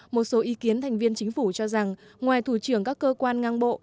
một số ý kiến thành viên chính phủ cho rằng ngoài thủ trưởng các cơ quan ngang bộ